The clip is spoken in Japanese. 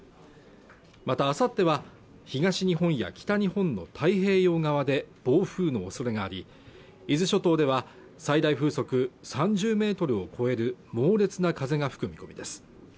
またあさっては東日本や北日本の太平洋側で暴風のおそれがあり伊豆諸島では最大風速３０メートルを超える猛烈な風が吹く見込みです